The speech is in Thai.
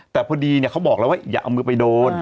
แต่พอดีเขาบอกแล้วว่าอย่าเอามือไปโดน